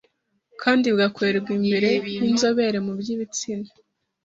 kandi bigakorerwa imbere y’inzobere mu by’ibitsina